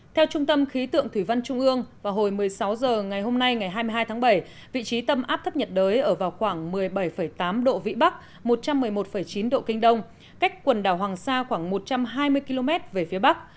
theo trung tâm khí tượng thủy văn trung ương vào hồi một mươi sáu h ngày hôm nay ngày hai mươi hai tháng bảy vị trí tâm áp thấp nhiệt đới ở vào khoảng một mươi bảy tám độ vĩ bắc một trăm một mươi một chín độ kinh đông cách quần đảo hoàng sa khoảng một trăm hai mươi km về phía bắc